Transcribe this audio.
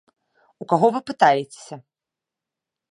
У каго вы пытаецеся?